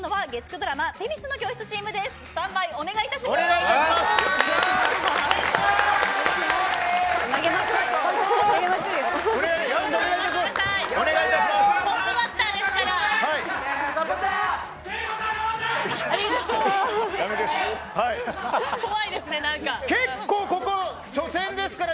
トップバッターですから。